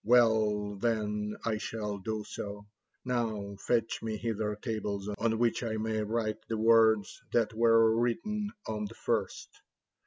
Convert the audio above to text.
Well, then, I shall do so, now fetch Me hither tables on which I may write the words that were written on the first.